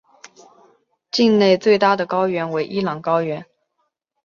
境内最大的高原为伊朗高原。